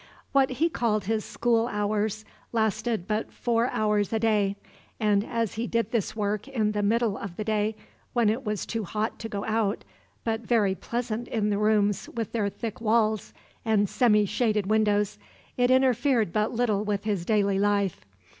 What he called his school hours lasted but four hours a day; and as he did this work in the middle of the day, when it was too hot to go out, but very pleasant in the rooms with their thick walls and semi shaded windows, it interfered but little with his daily life.